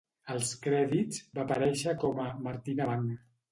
Als crèdits, va aparèixer com a "Martina Bang".